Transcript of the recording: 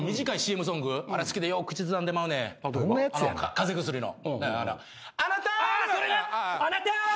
風邪薬の。